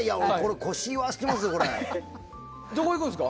腰いわしてますよ、俺。